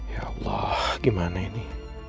ya allah gimana ini